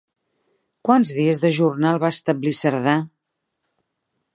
Quants dies de jornal va establir Cerdà?